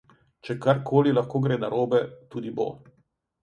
Če karkoli lahko gre narobe, tudi bo.